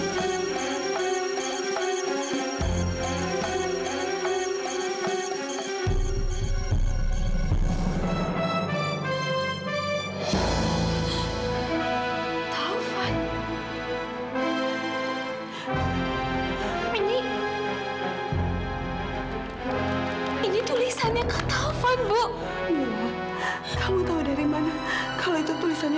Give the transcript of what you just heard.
kamu tahu dari mana kalau itu tulisannya